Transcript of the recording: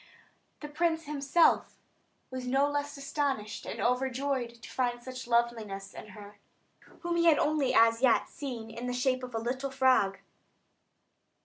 The prince himself was no less astonished and overjoyed to find such loveliness in her, whom he had only as yet seen in the shape of a little frog.